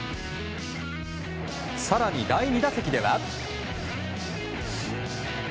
更に、第２打席では。